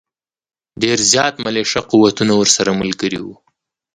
ډېر زیات ملېشه قوتونه ورسره ملګري وو.